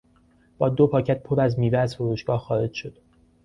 با دو پاکت پر از میوه از فروشگاه خارج شد.